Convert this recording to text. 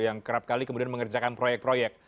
yang kerap kali kemudian mengerjakan proyek proyek